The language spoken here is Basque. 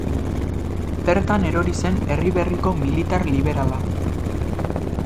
Bertan erori zen Erriberriko militar liberala.